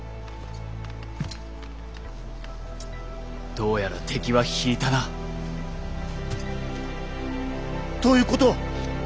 どうやら敵はひいたな。ということは。